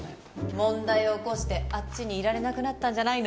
問題を起こしてあっちにいられなくなったんじゃないの？